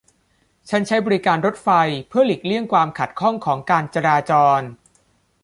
ฉันใช้บริการรถไฟเพื่อหลีกเลี่ยงความขัดข้องของการจราจร